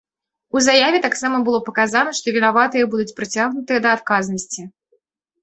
У заяве таксама было паказана, што вінаватыя будуць прыцягнутыя да адказнасці.